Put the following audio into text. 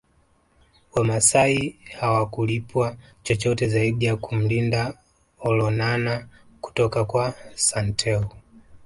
Wamasai hawakulipwa chochote zaidi ya kumlinda Olonana kutoka kwa Santeu